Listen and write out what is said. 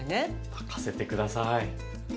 任せて下さい。